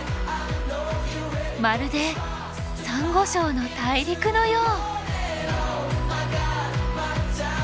まるでサンゴ礁の大陸のよう！